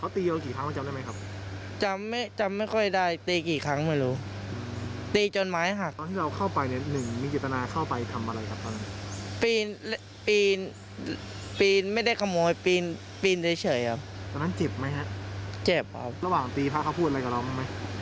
ถ้าเขาพูดอะไรกับเราบอกไหม